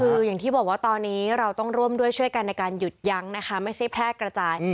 คืออย่างที่บอกว่าตอนนี้เราต้องร่วมด้วยช่วยกันในการหยุดยั้งนะคะไม่ใช่แพร่กระจาย